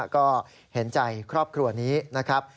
ก็เห็นใจครอบครัวนี้นะครับ